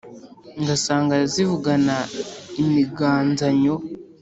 Ngasanga arazivugana imiganzanyo*.